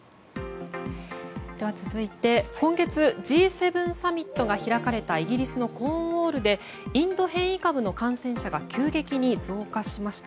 では、続いて今月Ｇ７サミットが開かれたイギリスのコーンウォールでインド変異株の感染者が急激に増加しました。